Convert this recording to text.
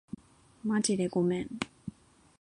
まじでごめん